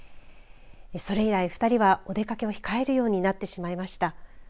それ以来２人はお出かけを控えるようになってしまいました。